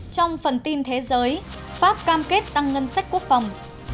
trong phần tin thế giới pháp cam kết tăng ngân sách quốc phòng